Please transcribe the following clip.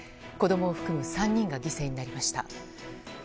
子供を含む３人が犠牲になりました。